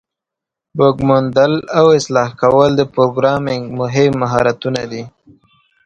بګ موندل او اصلاح کول د پروګرامینګ مهم مهارتونه دي.